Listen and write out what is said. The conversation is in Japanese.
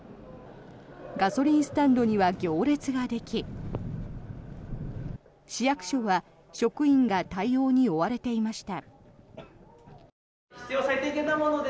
ガソリンスタンドには行列ができ市役所は職員が対応に追われていました。